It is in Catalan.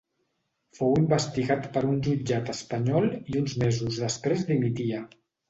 Fou investigat per un jutjat espanyol i uns mesos després dimitia.